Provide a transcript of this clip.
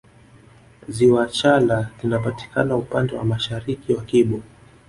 Ziwa chala linapatikana upande wa mashariki wa kibo